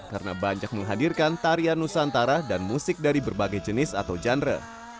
karena banyak menghadirkan tarian nusantara dan musik dari berbagai jenis atau genre